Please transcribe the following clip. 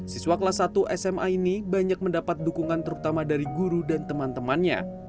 siswa kelas satu sma ini banyak mendapat dukungan terutama dari guru dan teman temannya